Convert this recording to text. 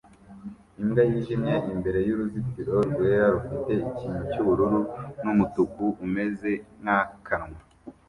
Imbwa yijimye imbere yuruzitiro rwera rufite ikintu cyubururu n umutuku umeze nkakanwa